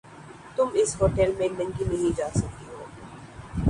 تم اِس ہوٹیل میں ننگی نہیں جا سکتی ہو۔